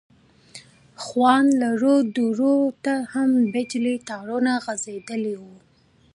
خو ان لرو درو ته هم د بجلي تارونه غځېدلي وو.